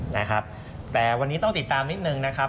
นะครับแต่วันนี้ต้องติดตามนิดนึงนะครับ